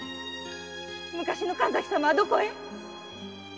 昔の神崎様はどこへ？